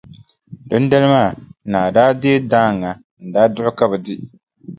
Dindali maa, naa daa deei daaŋa n-daa duɣi ka bɛ di.